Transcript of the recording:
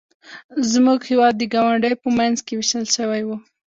زموږ هېواد د ګاونډیو په منځ کې ویشل شوی و.